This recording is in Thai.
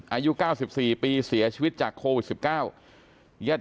อายุ๙๔ปีเสียชีวิตจากโควิด๑๙